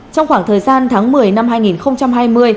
trong khoảng thời gian tháng một mươi năm hai nghìn hai mươi